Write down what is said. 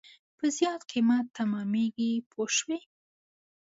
په زیات قیمت تمامېږي پوه شوې!.